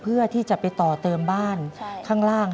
เพื่อที่จะไปต่อเติมบ้านข้างล่าง